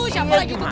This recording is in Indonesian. siapa lagi itu teh